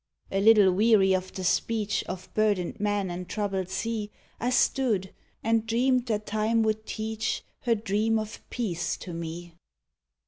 A little weary of the speech Of burdened man and troubled sea, I stood and dreamed that time would teach Her dream of peace to me.